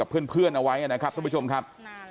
กับเพื่อนเพื่อนเอาไว้นะครับท่านผู้ชมหรือครับ